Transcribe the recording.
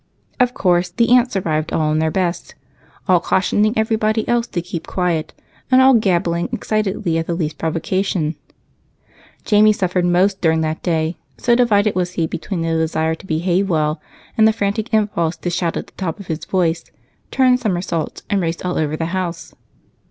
Of course the aunts arrived in all their best, all cautioning everybody else to keep quiet and all gabbling excitedly at the least provocation. Jamie suffered the most during that day, so divided was he between the desire to behave well and the frantic impulse to shout at the top of his voice, turn somersaults, and race all over the house.